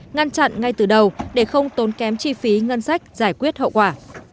ngăn chặn ngay từ đầu để không tốn kém chi phí ngân sách giải quyết hậu quả